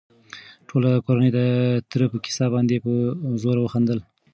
ټوله کورنۍ د تره په کيسه باندې په زوره وخندل.